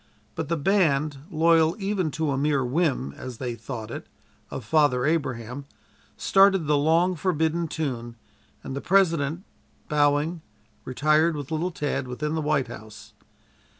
But the band, loyal even to a mere whim (as they then thought it) of "Father Abraham," started the long forbidden tune, and the President, bowing, retired, with little Tad, within the White House.